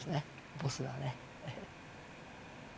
ボスはね。